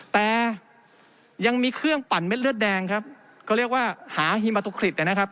แต่ยังมีเครื่องปั่นเม็ดเลือดแดงครับเขาเรียกว่าหาฮิมาตุคริสต์นะครับ